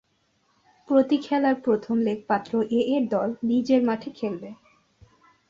প্রতি খেলার প্রথম লেগ পাত্র এ-এর দল নিজের মাঠে খেলবে।